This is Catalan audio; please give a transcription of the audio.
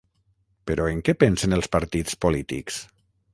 Però què en pensen els partits polítics?